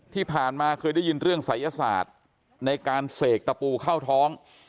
ที่ผ่านมาเคยได้ยินเรื่องศัยศาสตร์ในการเสกตะปูเข้าท้อง